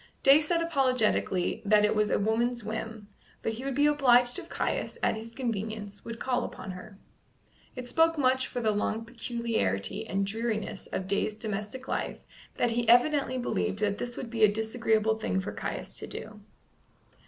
Day said apologetically that it was a woman's whim, but he would be obliged if Caius, at his convenience, would call upon her. It spoke much for the long peculiarity and dreariness of Day's domestic life that he evidently believed that this would be a disagreeable thing for Caius to do.